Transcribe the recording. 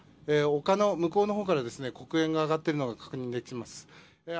丘の向こうのほうから黒煙が上がっているのが確認できます。